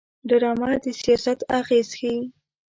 ډرامه د سیاست اغېز ښيي